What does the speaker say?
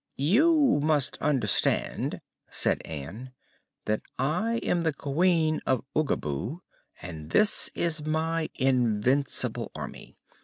"You must understand," said Ann, "that I am the Queen of Oogaboo, and this is my invincible Army.